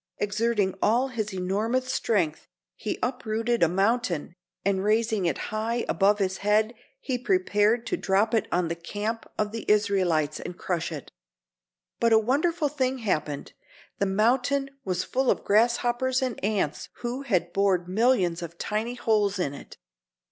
Exerting all his enormous strength he uprooted a mountain, and raising it high above his head he prepared to drop it on the camp of the Israelites and crush it. But a wonderful thing happened. The mountain was full of grasshoppers and ants who had bored millions of tiny holes in it.